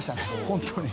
本当に。